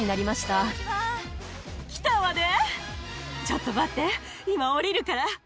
ちょっと待って今下りるから。